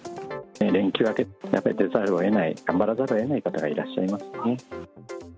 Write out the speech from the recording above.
連休明け、やっぱり出ざるをえない、頑張らざるをえない方がいらっしゃいますので。